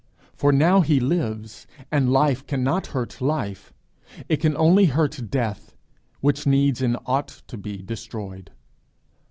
For now he lives, and life cannot hurt life; it can only hurt death, which needs and ought to be destroyed.